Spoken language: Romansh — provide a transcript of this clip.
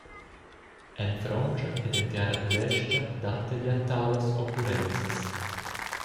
En Frontscha ed en Tiaratudestga dat ei gia talas occurrenzas.